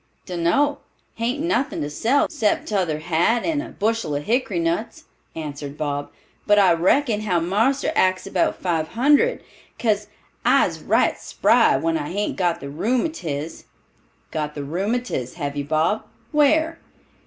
"Dun know; hain't nothing to sell 'cept my t'other hat and a bushel of hickory nuts," answered Bob; "but I reckon how marster ax about five hundred, 'case I's right spry when I hain't got the rheumatiz." "Got the rheumatiz, have you, Bob? Where?"